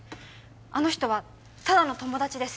あの人はただの友達です